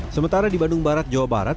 sementara di bandung barat jawa barat